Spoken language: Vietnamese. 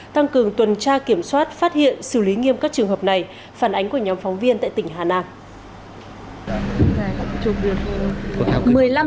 tăng cường tuần tra kiểm soát phát hiện xử lý nghiêm các trường hợp này phản ánh của nhóm phóng viên tại tỉnh hà nam